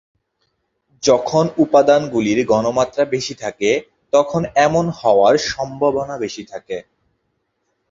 যখন উপাদান গুলির ঘনমাত্রা বেশি থাকে তখন এমন হওয়ার সম্ভবনা বেশি থাকে।